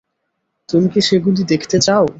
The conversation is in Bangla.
তুমি কি সেগুলি দেখতে চাও?